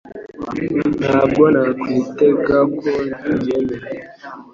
Ntabwo nakwitega ko ubyemera